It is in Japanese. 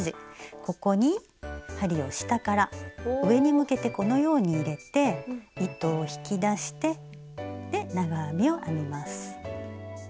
ここに針を下から上に向けてこのように入れて糸を引き出して長編みを編みます。